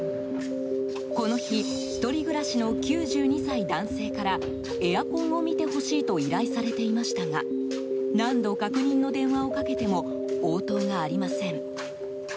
この日１人暮らしの９２歳男性からエアコンを見てほしいと依頼されていましたが何度、確認の電話をかけても応答がありません。